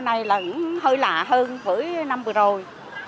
năm nay là cũng hơi lạ hơn với năm vừa rồi